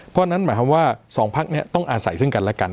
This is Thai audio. เพราะฉะนั้นหมายความว่า๒พักนี้ต้องอาศัยซึ่งกันและกัน